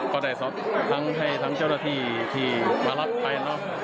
ก็ได้สอบทั้งเจ้าหน้าที่มารับไป